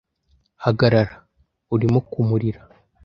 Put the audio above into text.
Hagarara! Urimo kumurira.